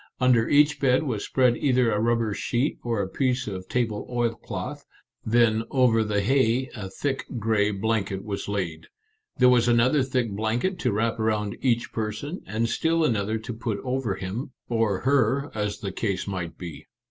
Under each bed was spread either a rubber sheet or a piece of table oilcloth, then over the hay a thick gray blanket was laid. There was another thick blanket to wrap around each person, and still another to put over him, or her, as the case might be.